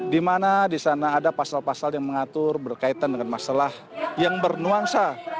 di mana di sana ada pasal pasal yang mengatur berkaitan dengan masalah yang bernuansa